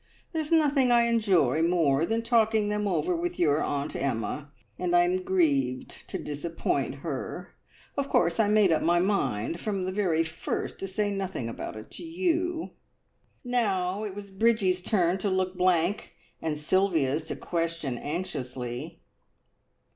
There is nothing I enjoy more than talking them over with your Aunt Emma, and I am grieved to disappoint her. Of course I made up my mind from the first to say nothing about it to you." Now it was Bridgie's turn to look blank, and Sylvia's to question anxiously.